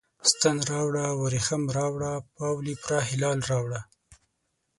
ستن راوړه، وریښم راوړه، پاولي پوره هلال راوړه